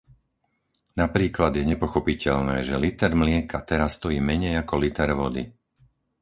Napríklad je nepochopiteľné, že liter mlieka teraz stojí menej ako liter vody.